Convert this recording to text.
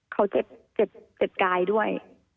เขาเจ็บกายด้วย